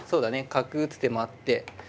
角打つ手もあって。